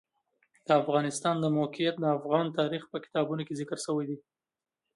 د افغانستان د موقعیت د افغان تاریخ په کتابونو کې ذکر شوی دي.